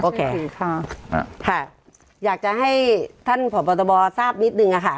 โอเคค่ะค่ะอยากจะให้ท่านผอบอตบทราบนิดนึงอะค่ะ